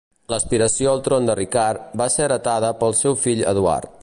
L'aspiració al tron de Ricard va ser heretada pel seu fill Eduard.